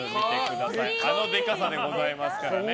あのデカさでございますからね。